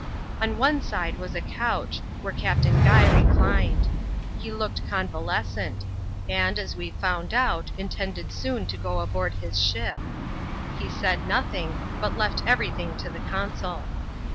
On one side was a couch, where Captain Guy reclined. He looked convalescent ; and, as we found out, intended soon to go aboard his ship. He said nothing, but left everything to the consul.